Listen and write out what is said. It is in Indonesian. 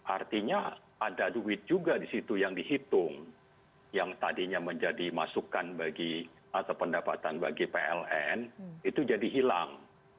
artinya ada duit juga di situ yang dihitung yang tadinya menjadi masukan bagi atau pendapatan bagi pln itu jadi hilang